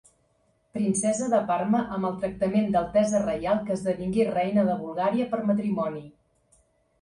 Princesa de Parma amb el tractament d'altesa reial que esdevingué reina de Bulgària per matrimoni.